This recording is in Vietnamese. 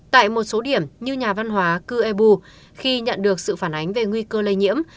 tại một số điểm như nhà văn hóa cư ebu khi nhận được sự phản ánh về nguy cơ lây nhiễm